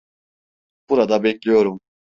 Burada bekliyorum.